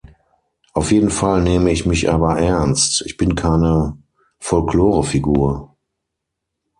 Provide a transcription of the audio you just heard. Auf jeden Fall nehme ich mich aber ernst, ich bin keine Folklorefigur.